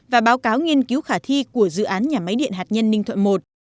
và báo cáo nghiên cứu khả thi của dự án nhà máy điện hạt nhân ninh thuận i